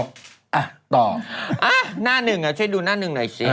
อ่ะต่อหน้าหนึ่งอ่ะช่วยดูหน้าหนึ่งหน่อยสิ